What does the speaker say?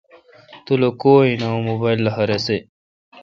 تو لو کہ اں موبایل لخہ رسے۔